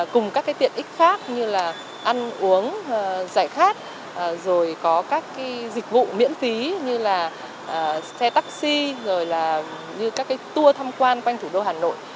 cùng các tiện ích khác như là ăn uống giải khát rồi có các dịch vụ miễn phí như là xe taxi rồi là như các tour thăm quan quanh thủ đô hà nội